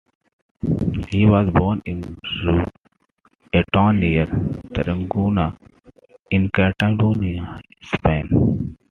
He was born in Reus, a town near Tarragona, in Catalonia, Spain.